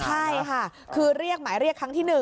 ใช่ค่ะคือเรียกหมายเรียกครั้งที่๑